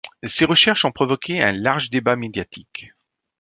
Ses recherches ont provoqué un large débat médiatique.